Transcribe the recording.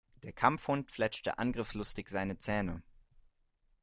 Der Kampfhund fletschte angriffslustig seine Zähne.